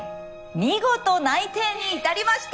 見事内定に至りました！